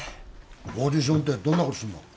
オーディションってどんなことすんの？